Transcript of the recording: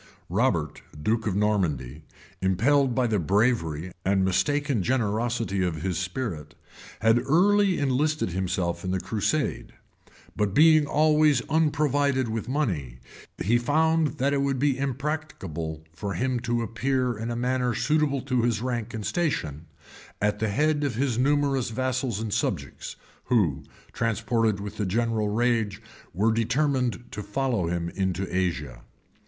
p. 128] Robert, duke of Normandy, impelled by the bravery and mistaken generosity of his spirit, had early enlisted himself in the crusade; but being always unprovided with money, he found that it would be impracticable for him to appear in a manner suitable to his rank and station, at the head of his numerous vassals and subjects, who, transported with the general rage, were determined to follow him into Asia.